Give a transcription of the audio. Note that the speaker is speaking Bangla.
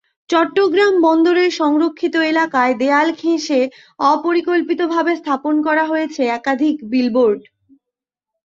চট্টগ্রাম বন্দরের সংরক্ষিত এলাকায় দেয়াল ঘেঁষে অপরিকল্পিতভাবে স্থাপন করা হয়েছে একাধিক বিলবোর্ড।